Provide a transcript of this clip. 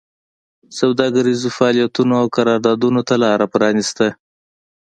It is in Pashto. سوداګریزو فعالیتونو او قراردادونو ته لار پرانېسته